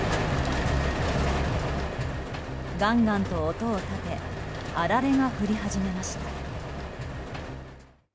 ガンガンと音を立てあられが降り始めました。